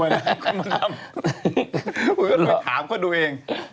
ก็ต้องไปถามกันดูเอง